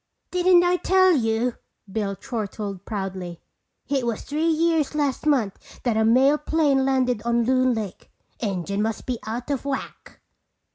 "Didn't I tell you!" Bill chortled proudly. "It was three years last month that a mail plane landed on Loon Lake. Engine must be out of whack."